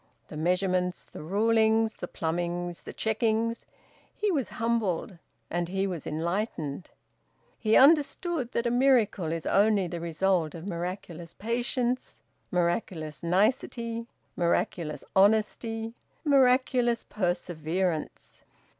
The measurements, the rulings, the plumbings, the checkings! He was humbled and he was enlightened. He understood that a miracle is only the result of miraculous patience, miraculous nicety, miraculous honesty, miraculous perseverance.